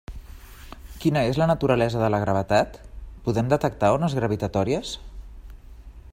Quina és la naturalesa de la gravetat?, Podem detectar ones gravitatòries?